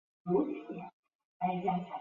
湿地勿忘草是紫草科勿忘草属的植物。